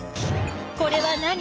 これは何？